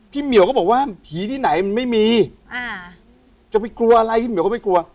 เหมียวก็บอกว่าผีที่ไหนมันไม่มีอ่าจะไปกลัวอะไรพี่เหมียวก็ไม่กลัว